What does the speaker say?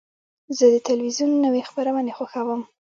زه د تلویزیون نوی خپرونې خوښوم.